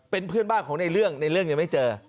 เป็นเพื่อนบ้านของในเรื่องในเรื่องยังไม่เจอ